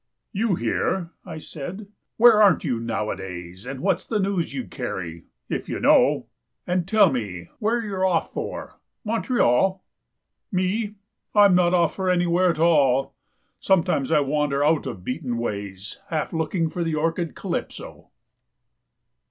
"You here?" I said. "Where aren't you nowadays And what's the news you carry if you know? And tell me where you're off for Montreal? Me? I'm not off for anywhere at all. Sometimes I wander out of beaten ways Half looking for the orchid Calypso."